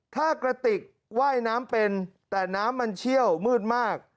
ถ้ากระติกว่ายน้ำเป็นแต่น้ำมันเชี่ยวมืดมาก